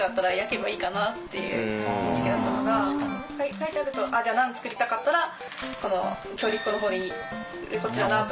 書いてあるとじゃあナン作りたかったらこの強力粉の方こっちだなとか。